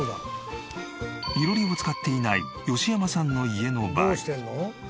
囲炉裏を使っていない吉山さんの家の場合。